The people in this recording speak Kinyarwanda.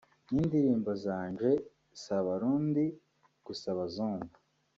n’indirimbo zanje si Abarundi gusa bazumva